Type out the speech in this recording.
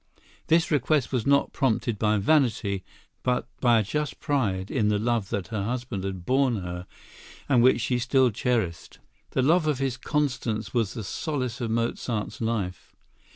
This request was not prompted by vanity, but by a just pride in the love her husband had borne her and which she still cherished. The love of his Constance was the solace of Mozart's life.